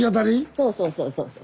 そうそうそうそうそう。